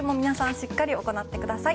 しっかり行ってください。